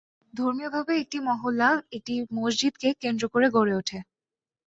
ধর্মীয়ভাবে একটি মহল্লা একটি মসজিদকে কেন্দ্র করে গড়ে উঠে।